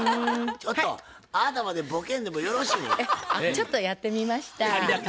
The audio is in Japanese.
ちょっとやってみました。